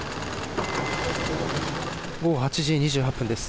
午後８時２８分です。